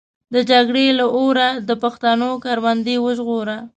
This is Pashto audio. د جګړې له اوره د پښتنو کروندې وژغوره.